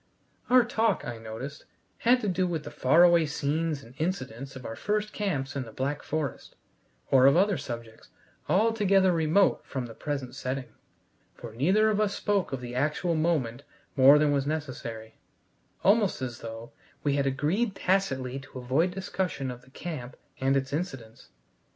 Our talk, I noticed, had to do with the far away scenes and incidents of our first camps in the Black Forest, or of other subjects altogether remote from the present setting, for neither of us spoke of the actual moment more than was necessary almost as though we had agreed tacitly to avoid discussion of the camp and its incidents.